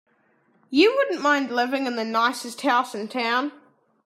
You wouldn't mind living in the nicest house in town.